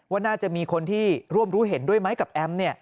ว่าน่าจะมีคนที่ร่วมรู้เห็นด้วยไหมกับแอม